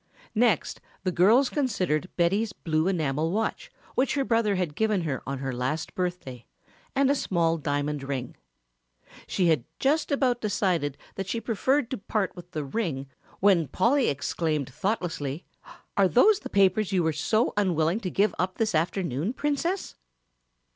Next the girls considered Betty's blue enamel watch which her brother had given her on her last birthday and a small diamond ring. She had just about decided that she preferred to part with the ring when Polly exclaimed thoughtlessly, "Are those the papers you were so unwilling to give up this afternoon, Princess?"